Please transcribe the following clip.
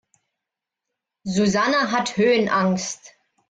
Susanne hat Höhenangst.